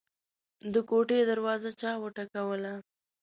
د کوټې دروازه چا وټکوله.